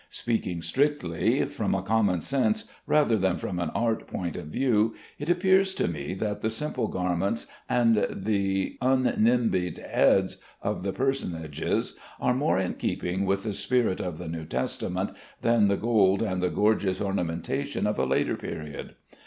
Speaking strictly, from a common sense rather than from an art point of view, it appears to me that the simple garments and the un nimbi'd heads of the personages are more in keeping with the spirit of the New Testament than the gold and the gorgeous ornamentation of a later period.